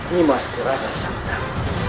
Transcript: di masjid raja santan